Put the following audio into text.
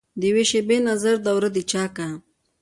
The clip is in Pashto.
دیوي شیبي نظر دوره دچاکه